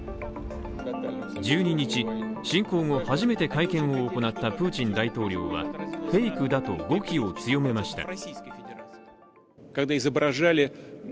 １２日、侵攻後、初めて会見を行ったプーチン大統領はフェイクだと語気を強めました。